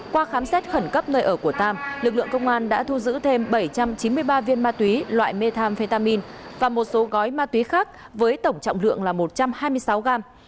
qua khám xét khẩn cấp nơi ở của tam lực lượng công an đã thu giữ thêm bảy trăm chín mươi ba viên ma túy loại methamphetamine và một số gói ma túy khác với tổng trọng lượng là một trăm hai mươi sáu gram